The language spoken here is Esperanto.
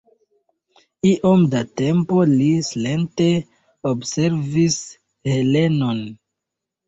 Iom da tempo li silente observis Helenon.